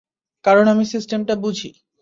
কারণ, আমি সিস্টেমটা বুঝি!